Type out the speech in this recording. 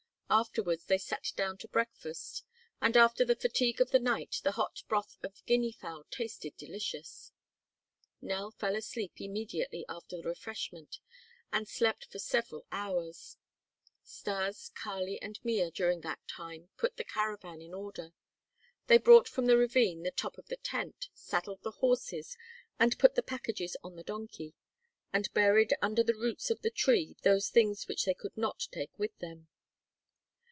Afterwards they sat down to breakfast, and after the fatigue of the night, the hot broth of guinea fowl tasted delicious. Nell fell asleep immediately after the refreshment and slept for several hours. Stas, Kali, and Mea during that time put the caravan in order. They brought from the ravine the top of the tent, saddled the horses, and put the packages on the donkey and buried under the roots of the tree those things which they could not take with them.